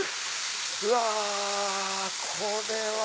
うわこれは！